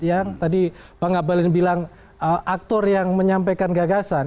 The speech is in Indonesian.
yang tadi bang abalin bilang aktor yang menyampaikan gagasan